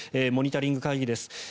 モニタリング会議です。